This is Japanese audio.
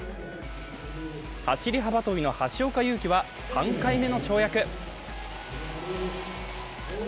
走り幅跳びの橋岡優輝は３回目の跳躍。